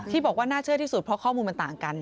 บอกว่าน่าเชื่อที่สุดเพราะข้อมูลมันต่างกัน